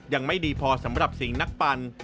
ยังไม่ดีพอสำหรับสิ่งนักปั่น